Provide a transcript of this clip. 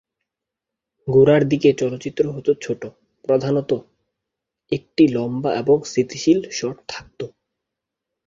গোড়ার দিকে চলচ্চিত্র হত ছোট, প্রধানত একটিই লম্বা আর স্থিতিশীল শট থাকত।